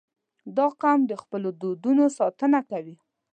• دا قوم د خپلو دودونو ساتنه کوي.